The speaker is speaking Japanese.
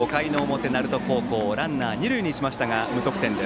５回の表、鳴門高校ランナー二塁にしましたが無得点。